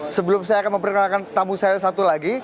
sebelum saya akan memperkenalkan tamu saya satu lagi